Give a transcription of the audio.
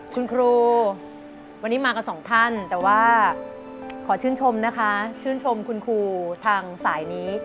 คุณครูวันนี้มากับสองท่านแต่ว่าขอชื่นชมนะคะชื่นชมคุณครูทางสายนี้